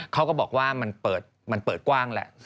เขาก็บอกว่ามันเปิดกว้างแหละ